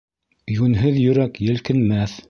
Йүнһеҙ йөрәк елкенмәҫ.